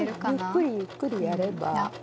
ゆっくりゆっくりやれば。